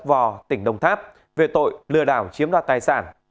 vò tỉnh đồng tháp về tội lừa đảo chiếm đoạt tài sản